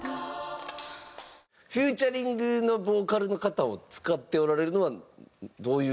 フィーチャリングのボーカルの方を使っておられるのはどういう意図なんですか？